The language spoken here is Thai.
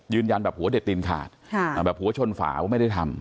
ยืนยันแบบหัวเด็ดตีนขาดแบบหัวชนฝาว่าไม่ได้ทำ